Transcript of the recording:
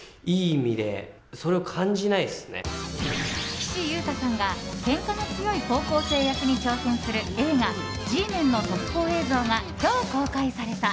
岸優太さんがけんかの強い高校生役に挑戦する映画「Ｇメン」の特報映像が今日、公開された。